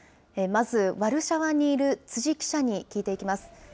まずワルシャワにいる辻記者に聞いていきます。